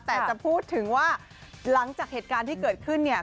แต่จะพูดถึงว่าหลังจากเหตุการณ์ที่เกิดขึ้นเนี่ย